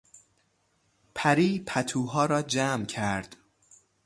پری پتوها را جمع کرد.